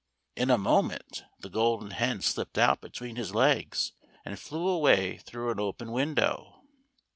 In a moment the Golden Hen slipped out between his legs, and flew away through an open window.